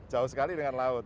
jauh sekali dengan laut